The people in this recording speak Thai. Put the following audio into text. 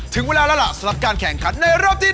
ถึงเวลาแล้วล่ะสำหรับการแข่งขันในรอบที่๑